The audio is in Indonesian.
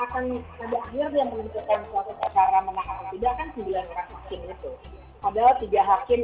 akan terakhir dan menuntutkan